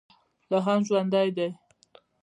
لا هم ژوندی دی.